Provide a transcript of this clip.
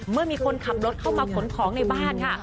เมื่อมีคนขับรถเข้ามาขนของในบ้านค่ะ